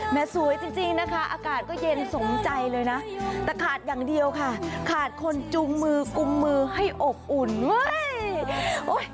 สวยจริงนะคะอากาศก็เย็นสมใจเลยนะแต่ขาดอย่างเดียวค่ะขาดคนจูงมือกุมมือให้อบอุ่นเฮ้ย